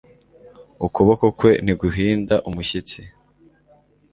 Ukuboko kwe ntiguhinda umushyitsi